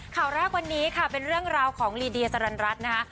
ข่าวแรกวันนี้ค่ะเป็นเรื่องราวของลีเดียสรรรัสนะคะ